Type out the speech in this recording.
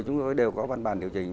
chúng tôi đều có văn bản điều chỉnh